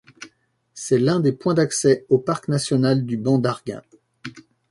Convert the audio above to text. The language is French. C'est l'un des points d'accès au Parc national du banc d'Arguin.